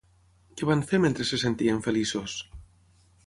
Què van fer mentre es sentien feliços?